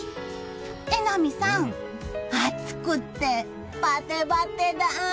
榎並さん、暑くてバテバテだ。